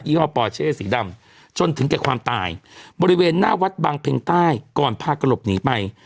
ี่ห้อปอเช่สีดำจนถึงแก่ความตายบริเวณหน้าวัดบางเพ็งใต้ก่อนพากระหลบหนีไป